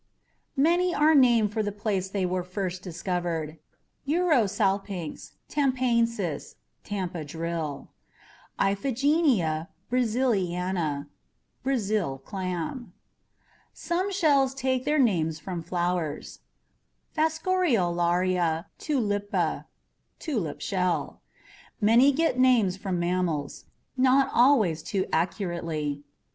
Many are named for the place they were first discovered: UROSALPINX TAMPAENSIS, Tampa Drill; and IPHIGENIA BRASILIANA, Brazil Clam. Some shells take their names from flowers: FASCIOLARIA TULIPA, Tulip Shell. Many get named from mammals not always too accurately.